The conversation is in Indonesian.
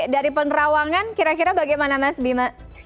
dari penerawangan kira kira bagaimana mas bima